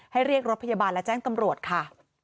ให้เรียกรับพยาบาลและแจ้งกำลัวค่ะ